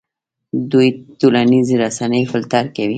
دوی ټولنیزې رسنۍ فلټر کوي.